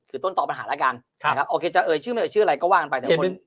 คือต้นตอบปัญหาแล้วกันชื่ออะไรก็ว่ากันไป